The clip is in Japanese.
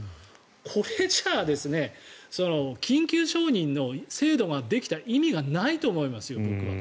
これじゃあ緊急承認の制度ができた意味がないと思います僕は。